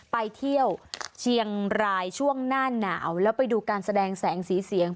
ไปเที่ยวเชียงรายช่วงหน้าหนาวแล้วไปดูการแสดงแสงสีเสียง